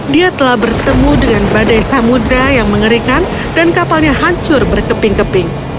dia telah bertemu dengan badai samudera yang mengerikan dan kapalnya hancur berkeping keping